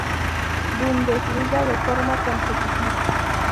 Bundesliga de forma consecutiva.